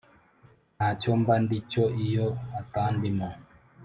ntacyo mba ndi cyo iyo utandimo